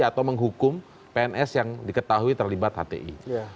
atau menghukum pns yang diketahui terlibat hti